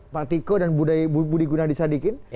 pak tiko dan budi gunadisadikin